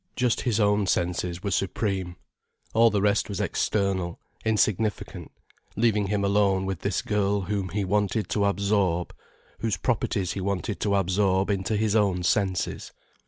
Just his own senses were supreme. All the rest was external, insignificant, leaving him alone with this girl whom he wanted to absorb, whose properties he wanted to absorb into his own senses.